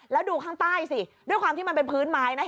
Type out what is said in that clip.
แล้วดูข้างใต้สิด้วยความที่มันเป็นพื้นไม้นะคะ